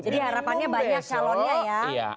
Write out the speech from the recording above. jadi harapannya banyak calonnya ya